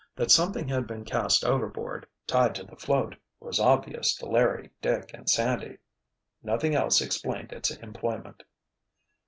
That something had been cast overboard, tied to the float, was obvious to Larry, Dick and Sandy. Nothing else explained its employment.